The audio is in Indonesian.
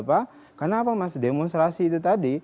karena apa mas demonstrasi itu tadi